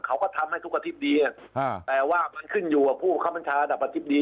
เขาก็ทำให้สุขศิษย์ดีอ่าแต่ว่ามันขึ้นอยู่กับผู้ข้ามัญชาอัตรปศิษย์ดี